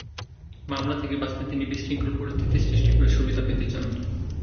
মামলা থেকে বাঁচতে তিনি বিশৃঙ্খল পরিস্থিতির সৃষ্টি করে সুবিধা পেতে চান।